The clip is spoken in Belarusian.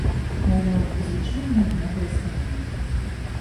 Маўляў, звычайны агляд рэстарана.